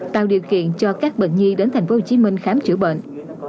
tạo điều kiện cho các bệnh nhi đến tp hcm khám chữa bệnh